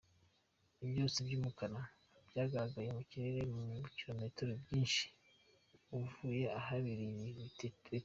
Ibyotsi by’umukara byagaragaye mu kirere mu birometero byinshi uvuye ahabereye ibi bitero.